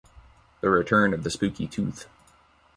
"The Return of Spooky Tooth".